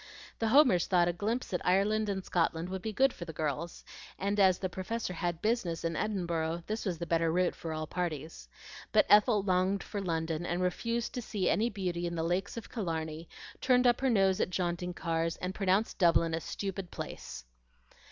The Homers thought a glimpse at Ireland and Scotland would be good for the girls; and as the Professor had business in Edinburgh this was the better route for all parties. But Ethel longed for London, and refused to see any beauty in the Lakes of Killarney, turned up her nose at jaunting cars, and pronounced Dublin a stupid place.